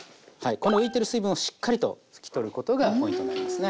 この浮いてる水分をしっかりと拭き取ることがポイントになりますね。